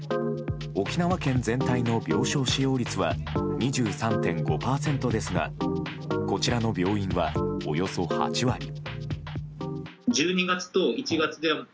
沖縄県全体の病床使用率は２３．５％ですがこちらの病院は、およそ８割。